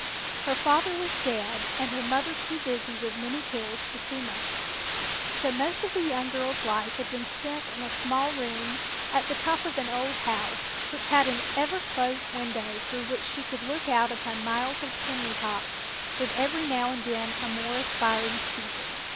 Her father was dead and her mother too busy with many cares to see much of her, so most of the young girl's life had been spent in a small room at the top of an old house, which had an ever closed window through which she could look out upon miles of chimney tops with every now and then a more aspiring steeple.